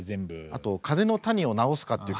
あと「風邪の谷を治すか」っていう。